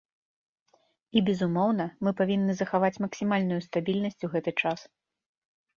І безумоўна, мы павінны захаваць максімальную стабільнасць у гэты час.